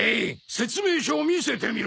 説明書を見せてみろ！